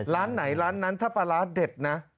ร้านไหนร้านนั้นถ้าปลาร้าเด็ดนะ